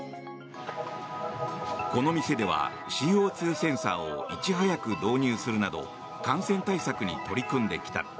この店ではＣＯ２センサーをいち早く導入するなど感染対策に取り組んできた。